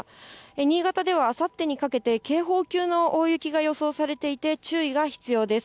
新潟ではあさってにかけて、警報級の大雪が予想されていて、注意が必要です。